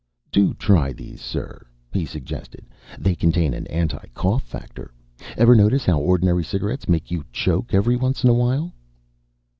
"Do try these, sir," he suggested. "They contain an anti cough factor. Ever notice how ordinary cigarettes make you choke every once in a while?"